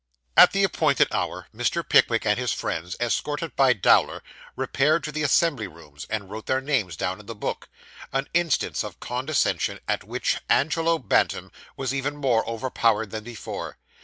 At the appointed hour, Mr. Pickwick and his friends, escorted by Dowler, repaired to the Assembly Rooms, and wrote their names down in the book an instance of condescension at which Angelo Bantam was even more overpowered than before.